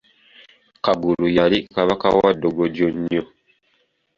Kagulu yali Kabaka wa ddogojjo nnyo.